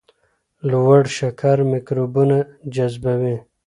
لوړ شکر میکروبونه جذبوي.